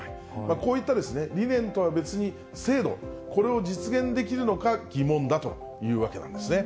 こういったですね、理念とは別に制度、これを実現できるのか疑問だというわけなんですね。